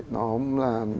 nó cũng là